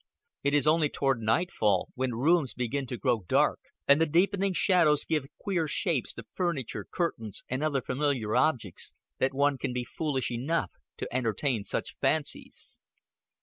It is only toward nightfall, when rooms begin to grow dark, and the deepening shadows give queer shapes to furniture, curtains, and other familiar objects, that one can be foolish enough to entertain such fancies.